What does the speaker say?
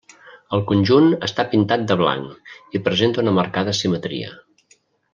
El conjunt està pintat de blanc i presenta una marcada simetria.